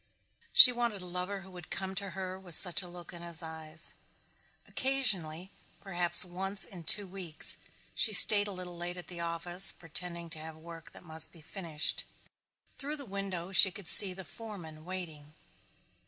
She wanted a lover who would come to her with such a look in his eyes. Occasionally, perhaps once in two weeks, she stayed a little late at the office, pretending to have work that must be finished. Through the window she could see the foreman, waiting.